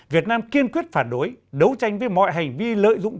việt nam kiên quyết phản đối đấu tranh với mọi hành vi lợi dụng